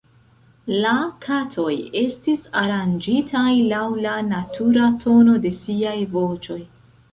La katoj estis aranĝitaj laŭ la natura tono de siaj voĉoj.